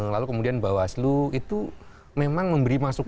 lalu kemudian bawaslu itu memang memberi banyak keuntungan